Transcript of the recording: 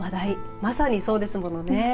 まさにそうですもんね。